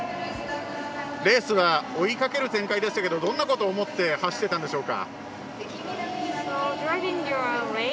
レースは追いかける展開でしたけどどんなことを思って走っていたんでしょうか。